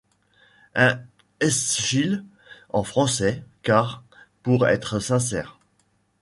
Un Eschyle en français, car, pour être sincère